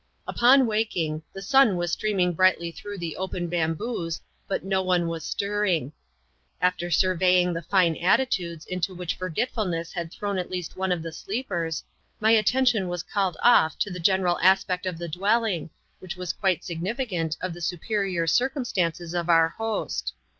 Upon awaking, the sun was streaming brightly through the open bamboos, but no one was stirring. After surveying the fine attitudes, into which forgetfulness nad thrown at least oae <^ Hie sleepers, my attention was caUed off to the general aspect of the dwelling, which was quite significant of the superior circumstances of our host.